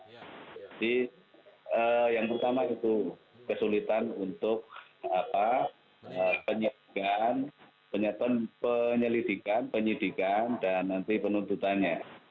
jadi yang pertama itu kesulitan untuk penyelidikan dan nanti penuntutannya